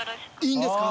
いいんですか！？